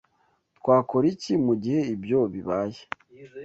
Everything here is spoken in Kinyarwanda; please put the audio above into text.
Twakora iki mugihe ibyo bibaye?